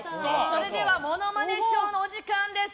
それではモノマネショーのお時間です。